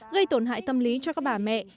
gây tổn hại tâm lý cho các bà mẹ